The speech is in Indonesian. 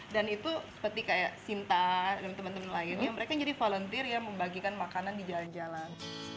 dan itu seperti kayak sinta dan teman teman lainnya mereka jadi volunteer ya membagikan makanan di jalan jalan